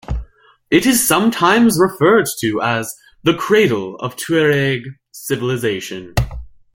It is sometimes referred to as the "cradle of Tuareg civilization".